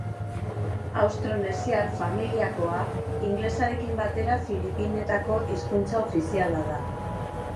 Austronesiar familiakoa, ingelesarekin batera Filipinetako hizkuntza ofiziala da.